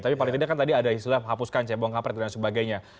tapi paling tidak kan tadi ada isu lah hapuskan caya bongkampret dan sebagainya